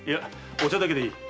お茶だけでいい。